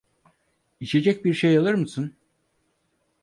İçecek bir şey alır mısın?